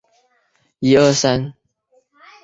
该缺陷在后来的版本中被修正了。